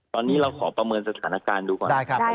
ตอนนี้เราขอประเมินสถานการณ์ดูก่อน